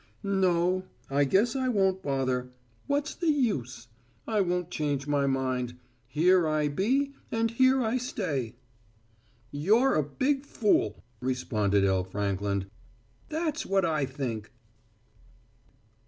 "No I guess I won't bother. What's the use? I won't change my mind. Here I be and here I stay." "You're a big fool," responded L. Frankland. "That's what I think."